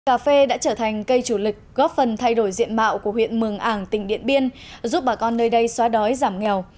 cà phê đã trở thành cây chủ lực góp phần thay đổi diện mạo của huyện mường ảng tỉnh điện biên giúp bà con nơi đây xóa đói giảm nghèo